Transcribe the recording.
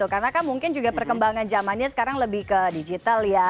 karena kan mungkin juga perkembangan zamannya sekarang lebih ke digital ya